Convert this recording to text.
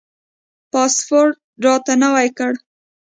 پاسپورټ راته نوی کړ.